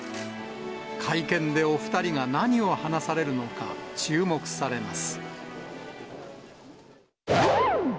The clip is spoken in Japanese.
会見でお２人が何を話されるのか、注目されます。